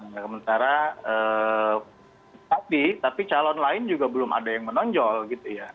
nah sementara tapi tapi calon lain juga belum ada yang menonjol gitu ya